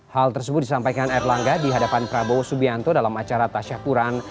hal tersebut disampaikan erlangga di hadapan prabowo subianto dalam acara tasyapuran